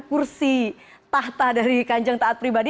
kursi tahta dari kanjeng taat pribadi